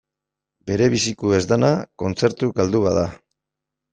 Berebizikoa ez dena kontzertu galdu bat da.